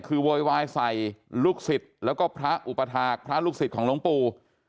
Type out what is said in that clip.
คือโวยวายใส่ลูกศิษย์แล้วก็พระอุปถาคพระลูกศิษย์ของหลวงปู่